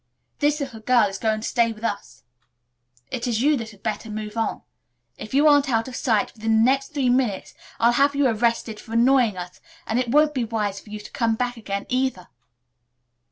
"This little girl is going to stay with us. It is you that had better move on. If you aren't out of sight within the next three minutes I'll have you arrested for annoying us, and it won't be wise for you to come back again either."